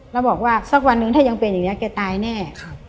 แล้วบอกว่าสักวันหนึ่งถ้ายังเป็นอย่างนี้แกตายแน่